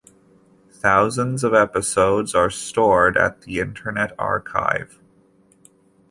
Thousands of episodes are stored at the Internet Archive.